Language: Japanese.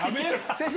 先生